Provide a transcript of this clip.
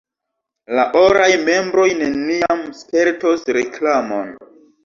La oraj membroj neniam spertos reklamon.